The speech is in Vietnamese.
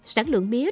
sản lượng mía